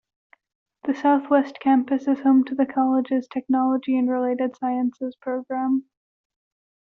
The Southwest Campus is home to the college's Technology and Related Sciences program.